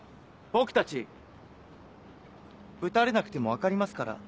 僕たちぶたれなくても分かりますから。